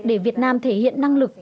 để việt nam thể hiện năng lực